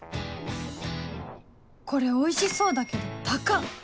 これおいしそうだけど高っ！